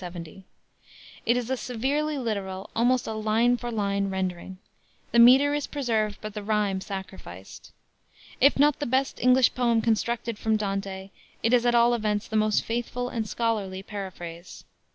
It is a severely literal, almost a line for line, rendering. The meter is preserved, but the rhyme sacrificed. If not the best English poem constructed from Dante, it is at all events the most faithful and scholarly paraphrase.